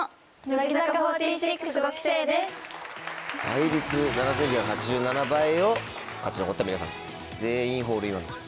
倍率７９８７倍を勝ち残った皆さんです。